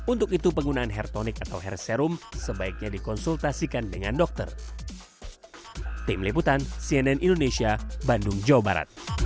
untuk itu penggunaan hair tonic atau hair serum sebaiknya dikonsultasikan dengan dokter